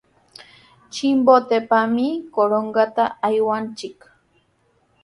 Chimbotepami Corongota aywanchik.